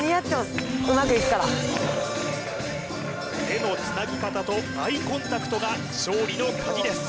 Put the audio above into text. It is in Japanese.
手のつなぎ方とアイコンタクトが勝利の鍵です